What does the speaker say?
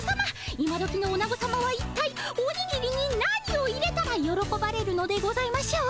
今どきのオナゴさまはいったいおにぎりに何を入れたらよろこばれるのでございましょうか。